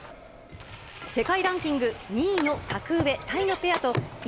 世界ランキング２位の格上、タイのペアと１